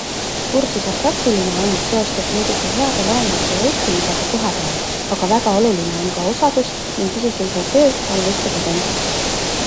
Kursuse praktiline and seostub muidugi heade loengute ja õppimisega kohapeal, aga väga oluline on ka osadus ning iseseisev töö palvuste tegemiseks.